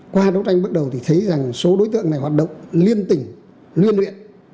qua đấu tranh bước đầu thì thấy rằng số đối tượng này hoạt động liên tỉnh liên huyện